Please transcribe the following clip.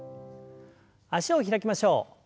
脚を開きましょう。